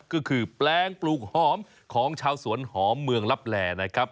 ก็คือแปลงปลูกหอมของชาวสวนหอมเมืองลับแหล่นะครับ